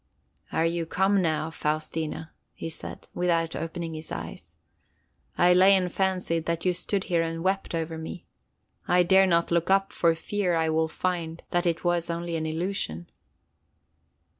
"Are you come now, Faustina?" he said, without opening his eyes. "I lay and fancied that you stood here and wept over me. I dare not look up for fear I will find that it was only an illusion."